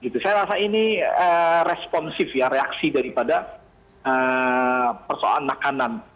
saya rasa ini responsif ya reaksi daripada persoalan makanan